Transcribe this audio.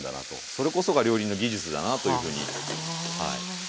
それこそが料理人の技術だなというふうにはい。